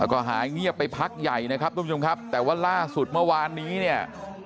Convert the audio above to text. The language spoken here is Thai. แล้วก็หายเงียบไปพักใหญ่นะครับทุกผู้ชมครับแต่ว่าล่าสุดเมื่อวานนี้เนี่ย